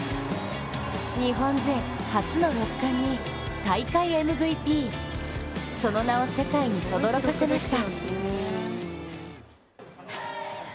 日本人初の６冠に大会ＭＶＰ、その名を世界にとどろかせました。